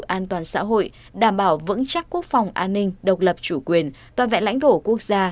an toàn xã hội đảm bảo vững chắc quốc phòng an ninh độc lập chủ quyền toàn vẹn lãnh thổ quốc gia